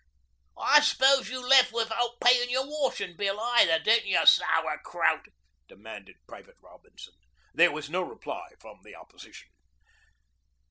'I s'pose you left without payin' your washin' bill either, didn't you, sower krowt,' demanded Private Robinson. There was no reply from the opposition.